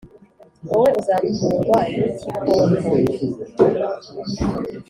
, wowe uzatungwa n’ikikoko